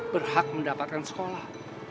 berhak mendapatkan sekolah